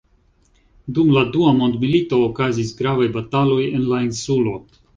Dum la Dua Mondmilito okazis gravaj bataloj en la insulo.